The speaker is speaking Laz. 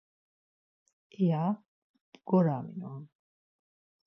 iya bgoraminon.